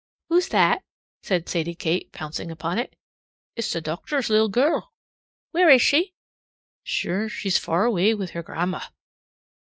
"Who's that?" said Sadie Kate, pouncing upon it. "It's the docthor's little gurrl." "Where is she?" "Shure, she's far away wit' her gran'ma."